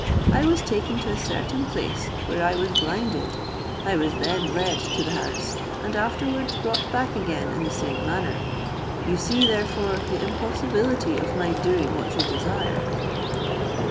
I was taken to a certain place, where I was blinded, I was then led to the house, and afterwards brought back again in the same manner; you see, therefore, the impossibility of my doing what you desire."